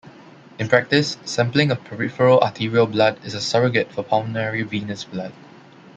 In practice, sampling of peripheral arterial blood is a surrogate for pulmonary venous blood.